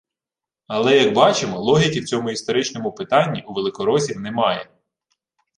Але, як бачимо, логіки в цьому історичному питанні у великоросів немає